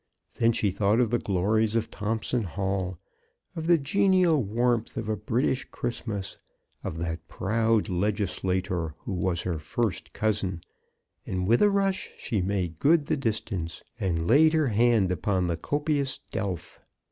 Then she thought of the glories of Thompson Hall, of the genial warmth of a British Christmas, of that proud legislator who was her first cousin, and with a rush she made good the distance, and laid her hand upon the copious delf.